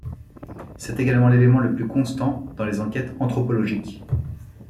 C'est également l'élément le plus constant dans les enquêtes anthropologiques.